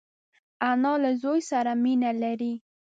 انا له زوی سره مینه لري